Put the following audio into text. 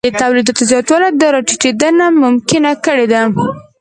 د تولیدیت زیاتوالی دا راټیټېدنه ممکنه کړې ده